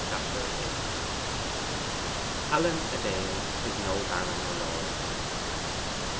Chapter VIII 'Allen a Dale is no baron or lord.